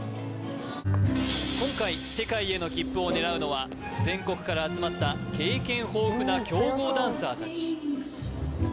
今回世界への切符を狙うのは全国から集まった経験豊富な強豪ダンサー達